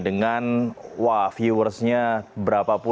dengan wah viewersnya berapa